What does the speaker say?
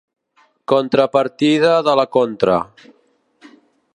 Contrapartida de la contra.